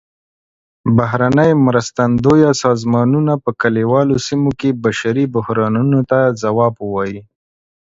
بهرنۍ مرستندویه سازمانونه په کلیوالو سیمو کې بشري بحرانونو ته ځواب ووايي.